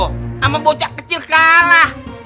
sama bocah kecil kalah